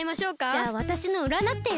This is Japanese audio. じゃあわたしのうらなってよ。